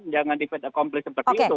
jangan di fet accomplish seperti itu